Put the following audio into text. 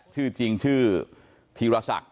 ชื่อจริงชื่อธีรศักดิ